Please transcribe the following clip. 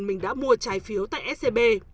mình đã mua trái phiếu tại scb